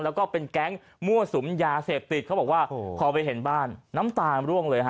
แล้วก็เป็นแก๊งมั่วสุมยาเสพติดเขาบอกว่าพอไปเห็นบ้านน้ำตาล่วงเลยฮะ